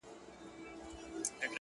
• چي هر څو به ښکاري زرک وکړې ککړي ,